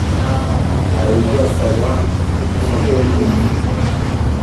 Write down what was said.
Nta we nzasaba nsabwa yimye ino.